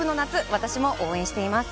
私も応援しています。